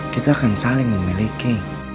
kita akan saling memiliki